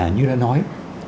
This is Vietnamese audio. như đã nói